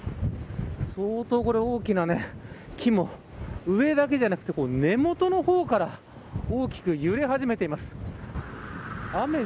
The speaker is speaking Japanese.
相当、これ大きな木も上だけじゃなく根元の方から大きく揺れ始めています。